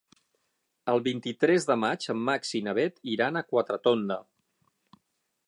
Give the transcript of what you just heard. El vint-i-tres de maig en Max i na Bet iran a Quatretonda.